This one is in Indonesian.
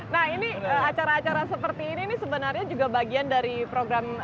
nah ini acara acara seperti ini ini sebenarnya juga bagian dari program